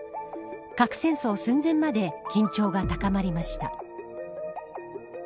核戦争寸前まで緊張が高まりました。